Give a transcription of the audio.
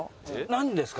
何ですか？